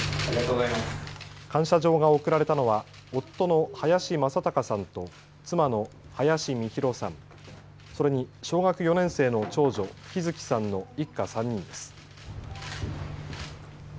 感謝状が贈られたのは夫の林正隆さんと妻の林美弘さん、それに小学４年生の長女陽月さんの一家３人です。